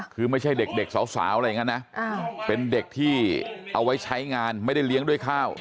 คือไม่ใช่เด็กสาวอะไรอย่างนั้นนะเป็นเด็กที่เอาไว้ใช้งานไม่ได้เลี้ยงด้วยข้าว